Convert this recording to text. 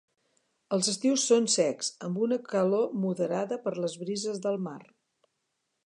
Els estius són secs, amb una calor moderada per les brises del mar.